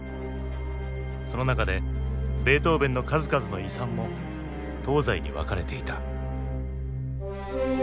その中でベートーヴェンの数々の遺産も東西に分かれていた。